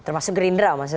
termasuk gerindra maksudnya